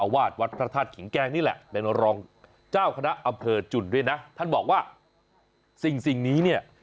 วาดวัดพระธาตุขิงแก้งนี่แหละเป็นรองเจ้าคณะอำเภอจุ่นด้วยนะท่านบอกว่าสิ่งนี้เนี่ย